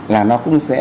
là nó cũng sẽ